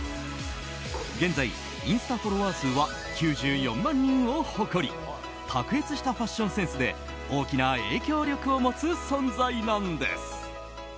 現在、インスタフォロワー数は９４万人を誇り卓越したファッションセンスで大きな影響力を持つ存在なんです。